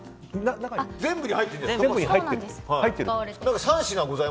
全部に入ってるんですか？